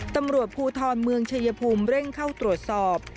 ตำรวจภูทรเมืองชายภูมิเร่งเข้าตรวจสอบ